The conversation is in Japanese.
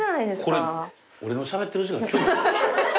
これ俺のしゃべってる時間。